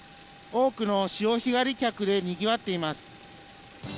多くの潮干狩り客でにぎわっています。